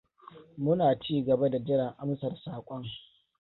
Muna cigaba da jiran amsar saƙon.